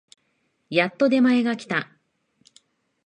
やっと出前が来た